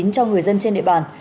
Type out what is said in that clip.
cho người dân trên nệp bàn